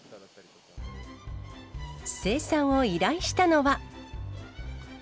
生産を依頼したのは。